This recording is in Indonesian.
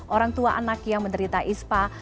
orang tua anak yang menderita ispa